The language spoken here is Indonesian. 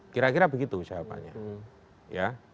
kira kira begitu jawabannya